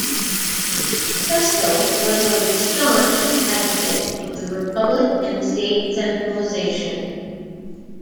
Pestel was a staunch advocate of the republic and state centralization.